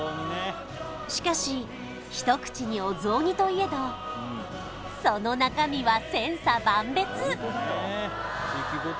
しかしひと口にお雑煮といえどその中身は千差万別！